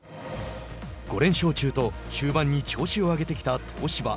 ５連勝中と終盤に調子を上げてきた東芝。